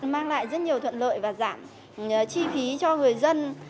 mang lại rất nhiều thuận lợi và giảm chi phí cho người dân